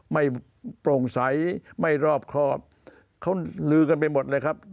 ไม่โปร่งใสไม่รอบครอบเขาลือกันไปหมดเลยครับ